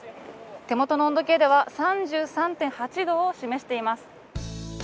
手元の温度計では３３．８度を示しています。